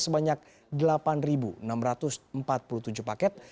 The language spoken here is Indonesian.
sebanyak delapan enam ratus empat puluh tujuh paket